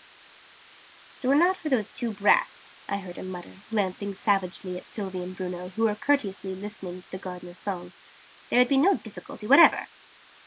"If it were not for those two brats," I heard him mutter, glancing savagely at Sylvie and Bruno, who were courteously listening to the Gardener's song, "there would be no difficulty whatever."